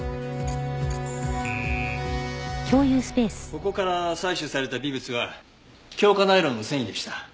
ここから採取された微物は強化ナイロンの繊維でした。